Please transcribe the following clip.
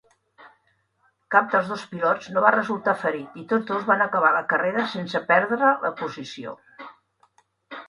Cap dels dos pilots no va resultar ferit i tots dos van acabar la carrera sense perdre la posició.